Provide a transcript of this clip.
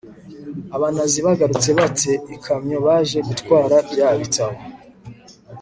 abanazi bagarutse ba te ikamyo baje gutwara bya bitabo